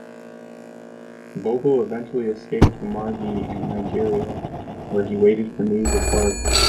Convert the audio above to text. Vogel eventually escaped to Marghi in Nigeria where he waited for news of Barth.